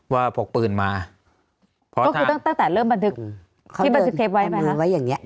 พกปืนมาก็คือตั้งแต่เริ่มบันทึกที่บันทึกเทปไว้ไหมคะไว้อย่างเงี้